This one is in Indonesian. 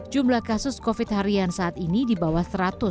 jumlah kasus covid harian saat ini di bawah seratus